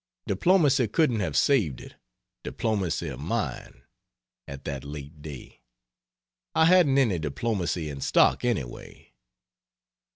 Diplomacy couldn't have saved it diplomacy of mine at that late day. I hadn't any diplomacy in stock, anyway.